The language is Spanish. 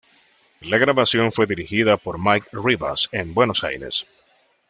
La grabación fue dirigida por Mike Ribas en Buenos Aires.